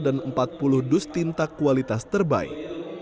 dan empat puluh dus tinta kualitas terbaik